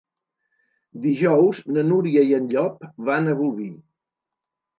Dijous na Núria i en Llop van a Bolvir.